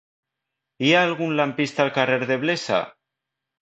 Hi ha algun lampista al carrer de Blesa?